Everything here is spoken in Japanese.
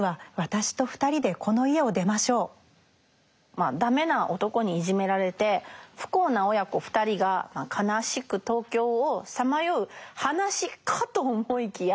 まあダメな男にいじめられて不幸な親子２人が悲しく東京をさまよう話かと思いきや